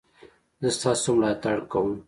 زه ستاسو ملاتړ کوم